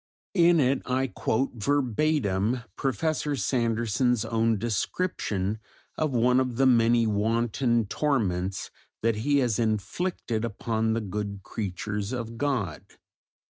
In it I quote verbatim Professor Sanderson's own description of one of the many wanton torments that he has inflicted upon the good creatures of God.